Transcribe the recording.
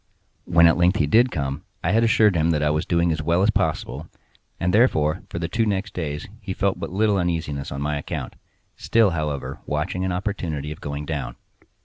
When at length he did come, I had assured him that I was doing as well as possible; and, therefore, for the two next days he felt but little uneasiness on my account—still, however, watching an opportunity of going down.